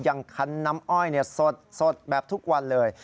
อย่างคันน้ำอ้อยสดแบบทุกวันเลย